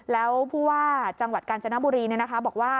แล้วผู้ว่าจังหวัดกาญจนบุรีบอกว่า